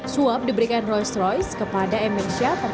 suap diberikan rolls royce kepada emir syasatar